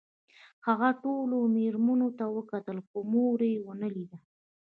هغه ټولو مېرمنو ته وکتل خو مور یې ونه لیده